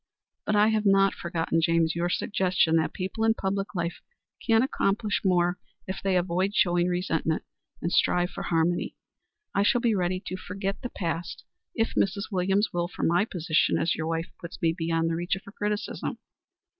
But I have not forgotten, James, your suggestion that people in public life can accomplish more if they avoid showing resentment and strive for harmony. I shall be ready to forget the past if Mrs. Williams will, for my position as your wife puts me beyond the reach of her criticism.